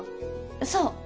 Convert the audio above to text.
そう。